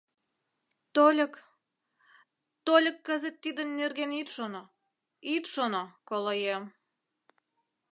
Тольык... тольык кызыт тидын нерген ит шоно, ит шоно, колоем.